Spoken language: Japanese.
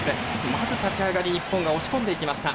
まず、立ち上がり、日本が押し込んでいきました。